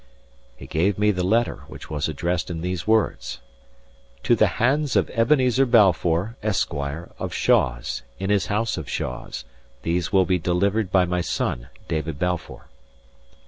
He gave me the letter, which was addressed in these words: "To the hands of Ebenezer Balfour, Esquire, of Shaws, in his house of Shaws, these will be delivered by my son, David Balfour."